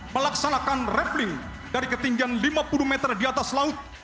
melaksanakan rappling dari ketinggian lima puluh meter di atas laut